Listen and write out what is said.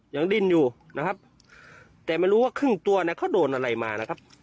ยังดิ้นอยู่นะครับแต่ไม่รู้ว่าครึ่งตัวเนี่ยเขาโดนอะไรมานะครับ